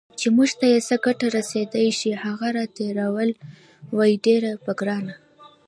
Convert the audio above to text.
چې موږ ته یې څه ګټه رسېدای شي، هغه راتېرول وي ډیر په ګرانه